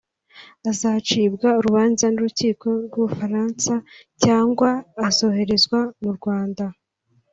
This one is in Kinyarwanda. azacibwa urubanza n’urukiko rw’u Bufaransa cyangwa azoherezwa mu Rwanda